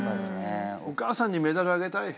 お母さんにメダルあげたい。